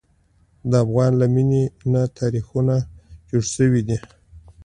د افغان له مینې نه تاریخونه جوړ شوي دي.